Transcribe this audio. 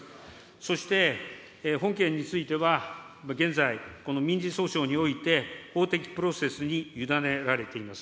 そして、本件については現在、この民事訴訟において、法的プロセスに委ねられています。